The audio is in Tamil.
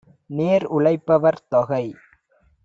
நேர்உழைப் பவர்தொகை!